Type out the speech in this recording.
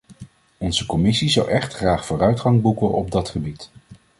Onze commissie zou echt graag vooruitgang boeken op dat gebied.